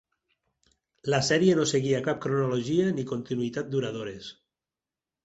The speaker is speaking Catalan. La sèrie no seguia cap cronologia ni continuïtat duradores.